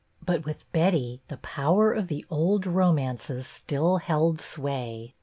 But with Betty the power of the old romances still held sway.